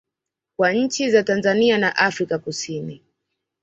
kwa nchi za Tanzania na Afrika kusini